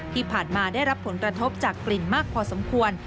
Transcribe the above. ที่ผ่านมาได้รับผลกระทบจากกลิ่นมากพอสมควร